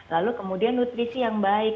lalu kemudian nutrisi yang baik